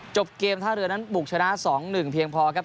จบเกมท่าเรือนั้นบุกชนะ๒๑เพียงพอครับ